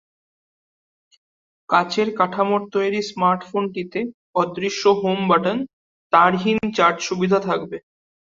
কাচের কাঠামোর তৈরি স্মার্টফোনটিতে অদৃশ্য হোম বাটন, তারহীন চার্জ সুবিধা থাকবে।